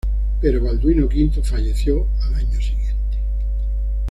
Pero Balduino V falleció al año siguiente.